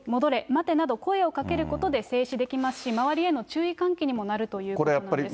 待てなど声をかけることで制止できますし、周りへの注意喚起にもなるということなんですね。